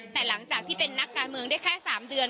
แต่หลังจากที่เป็นนักการเมืองได้แค่๓เดือน